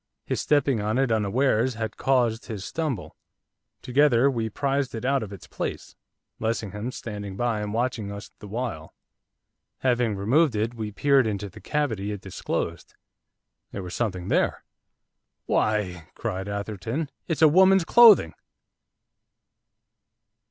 His stepping on it unawares had caused his stumble. Together we prised it out of its place, Lessingham standing by and watching us the while. Having removed it, we peered into the cavity it disclosed. There was something there. 'Why,' cried Atherton, 'it's a woman's clothing!